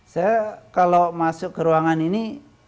saya kalau masuk ke ruangan ini